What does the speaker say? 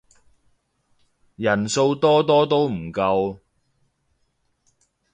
人數多多都唔夠